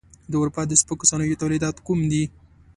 د اروپا د سپکو صنایعو تولیدات کوم دي؟